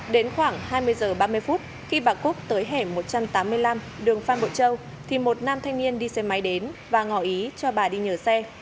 đến khoảng hai mươi h ba mươi phút khi bà cúc tới hẻm một trăm tám mươi năm đường phan bộ châu thì một nam thanh niên đi xe máy đến và ngỏ ý cho bà đi nhờ xe